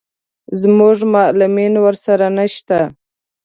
زموږ معلمین ورسره نه شته.